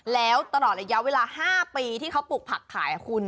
แล้วตลอดระยะเวลา๕ปีที่เขาปลูกผักขายคุณ